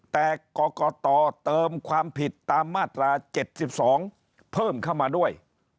แต่กรกตเติมความผิดตามมาตรา๗๒เพิ่มเข้ามาด้วย